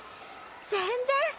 全然！